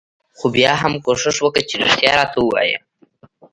خو بيا هم کوښښ وکه چې رښتيا راته وايې.